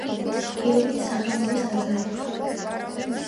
გიორგის სახელობის ტაძარი.